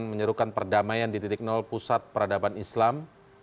menyerukan perdamaian di tidik nol pusat peradaban islam